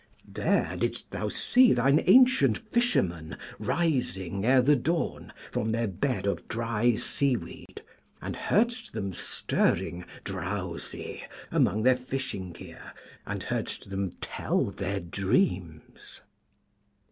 There didst thou see thine ancient fishermen rising ere the dawn from their bed of dry sea weed, and heardst them stirring, drowsy, among their fishing gear, and heardst them tell their dreams.